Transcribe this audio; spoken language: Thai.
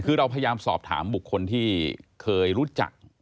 คือเราพยายามสอบถามบุคคลที่เคยรู้จัก